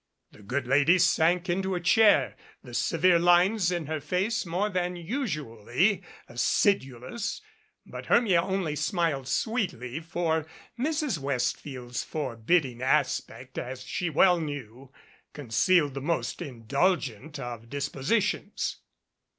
The good lady sank into a chair, the severe lines in her face more than usually acidulous, but Hermia only smiled sweetly, for Mrs. Westfield's forbidding aspect, as she well knew, concealed the most indulgent of disposi tions.